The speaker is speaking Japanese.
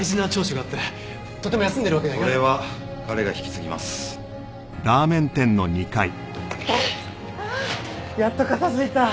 ああっやっと片付いた。